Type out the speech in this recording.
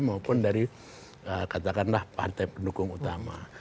maupun dari katakanlah partai pendukung utama